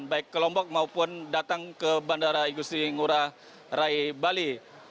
baik ke lombok maupun datang ke bandara igusti ngurah rai bali